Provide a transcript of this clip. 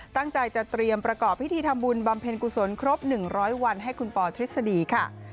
ตั้งใจจะเตรียมประกอบพิธีทำบุญบำเพ็ญกุศลครบ๑๐๐วันให้คุณปอทฤษฎีค่ะ